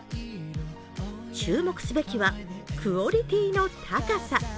注目すべきはクオリティーの高さ。